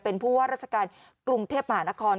เป็นผู้ว่าราชการกรุงเทพมหานคร